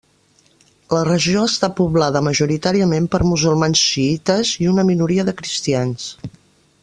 La regió està poblada majoritàriament per musulmans xiïtes i una minoria de cristians.